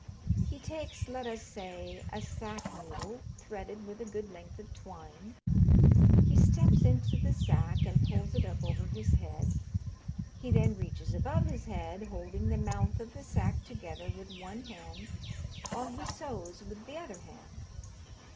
He takes, let us say, a sack needle, threaded with a good length of twine; he steps into the sack and pulls it up over his head; he then reaches above his head, holding the mouth of the sack together with one hand while he sews with the other hand.